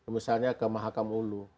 misalnya ke mahakamulu